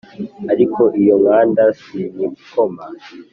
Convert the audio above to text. ari iyo nkanda sinyikoma